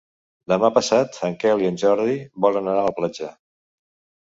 Demà passat en Quel i en Jordi volen anar a la platja.